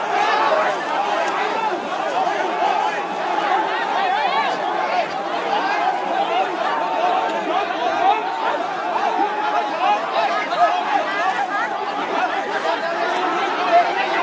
เพราะเราไม่ได้คิดจะให้ร้ายใครทำร้ายใครอยู่แล้ว